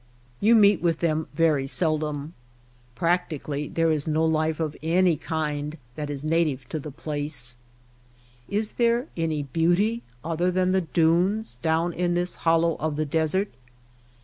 You meet with them very seldom. Practically there is no life of any kind that is native to the place. Is there any beauty, other than the dunes, THE BOTTOM OF THE BOWL 65 down in this hollow of the desert